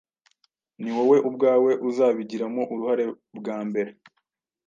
ni wowe ubwawe uzabigiramo uruhare bwa mbere